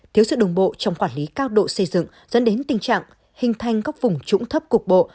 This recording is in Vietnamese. thiếu sự đồng bộ trong quản lý cao độ xây dựng dẫn đến tình trạng hình thành các vùng trũng thấp cục bộ